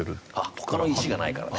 他の石がないからね。